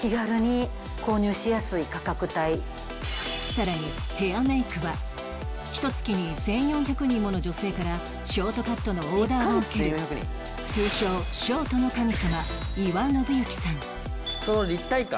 さらにヘアメイクはひと月に１４００人もの女性からショートカットのオーダーを受ける通称ショートの神様伊輪宣幸さん